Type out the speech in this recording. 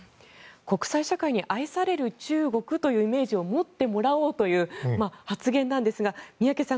国際社会に愛される中国というイメージを持ってもらおうという発言なんですが宮家さん